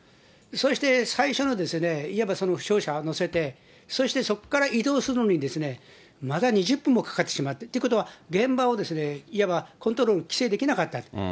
そして最初のいわばその負傷者を乗せて、そしてそこから移動するのに、また２０分もかかってしまった、ということは現場をいわばコントロール、規制できなかった。